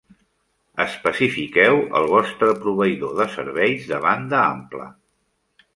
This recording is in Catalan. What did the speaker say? Especifiqueu el vostre proveïdor de serveis de banda ampla.